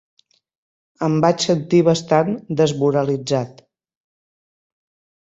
Em vaig sentir bastant desmoralitzat.